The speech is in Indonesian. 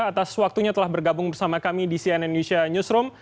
atas waktunya telah bergabung bersama kami di cnn indonesia newsroom